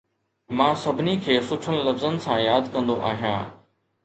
مان سڀني کي سٺن لفظن سان ياد ڪندو آهيان